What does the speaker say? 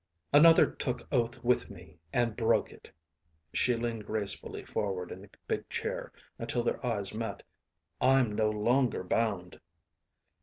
"Another took oath with me and broke it." She leaned gracefully forward in the big chair until their eyes met. "I'm no longer bound."